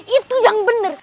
itu yang bener